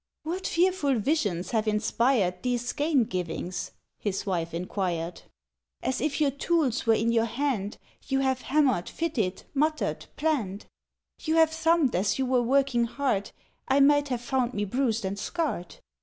"What fearful visions have inspired These gaingivings?" his wife inquired; "As if your tools were in your hand You have hammered, fitted, muttered, planned; "You have thumped as you were working hard: I might have found me bruised and scarred.